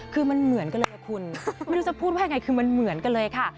คือมันเหมือนกันเลยค่ะคุณไม่รู้จะพูดว่ายังไงคือมันเหมือนกันเลยค่ะ